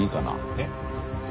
えっ？